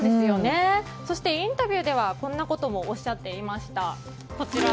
そしてインタビューではこんなこともおっしゃっていました。